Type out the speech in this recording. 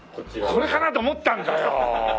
これかなと思ったんだよ！